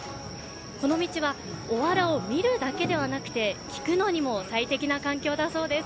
この道はおわらを見るだけではなくて聞くのにも最適な環境だそうです。